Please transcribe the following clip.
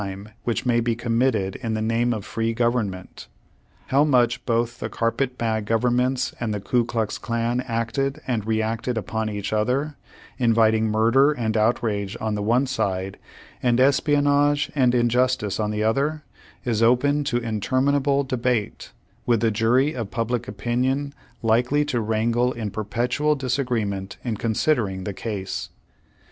e v/hich may be committed in the name of free government. How much both the "carpet bag" governments, and the Ku Klux Clan acted and reacted upon each other, inviting murder and outrage on the one side, and espionage and injustice on the other, is open to interminable debate, with the jury of public opinion likely to wrangle in perpetual disagreement in considering the case.